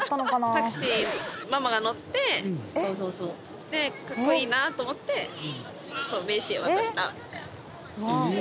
タクシーママが乗ってそうそうそうでかっこいいなと思ってそう名刺を渡したみたいなえ！